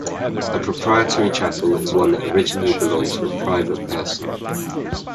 A proprietary chapel is one that originally belonged to a private person.